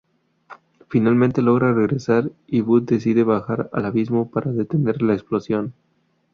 Finalmente logran regresar, y Bud, decide bajar al abismo para detener la explosión.